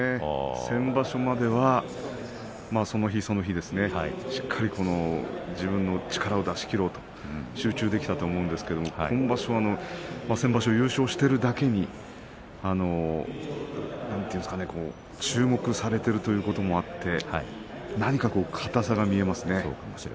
先場所までは、その日その日自分の力を出し切ろうと集中できたと思うんですけれども今場所は先場所、優勝しているだけに注目されているということもあって何か硬さが見えますね。